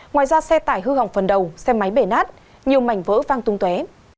ngoài ra xe tải hư hỏng phần đầu xe máy bể nát nhiều mảnh vỡ vang tung tué